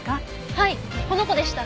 はいこの子でした。